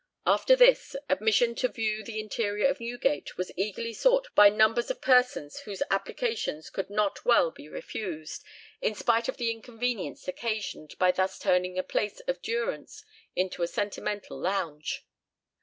After this, admission to view the interior of Newgate was eagerly sought by numbers of persons whose applications could not well be refused, in spite of the inconvenience occasioned by thus turning a place of durance into a sentimental lounge.